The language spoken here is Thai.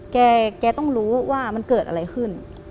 แกต้องรู้ว่ามันเกิดอะไรขึ้น